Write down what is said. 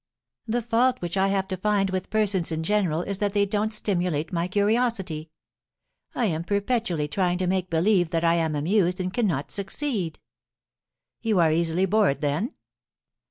The fault which I have to find with persons in general is that they don't stimulate my curiosity. I am perpetually THE DRYAD OF THE TI TREE. 155 trying to make believe that I am amused and cannot suc ceed' * You are easily bored, then